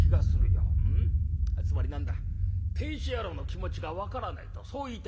つまり何だ亭主野郎の気持ちが分からないとそう言いたいのか？」。